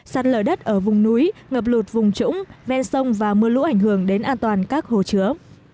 sạt lở đất ở vùng núi ngập lụt vùng trũng ven sông và mưa lũ ảnh hưởng đến an toàn các hồ chứa